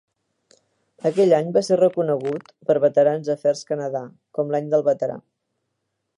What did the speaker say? Aquell any va ser reconegut, per Veterans Affairs Canada, com l'Any del Veterà.